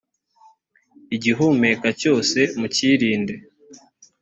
igihumeka cyose mukirinde.